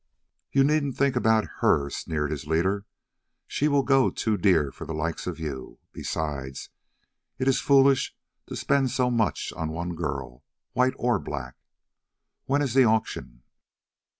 "You needn't think about her," sneered his leader; "she will go too dear for the likes of you; besides it is foolish to spend so much on one girl, white or black. When is the auction?"